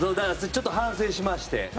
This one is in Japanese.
ちょっと反省しまして。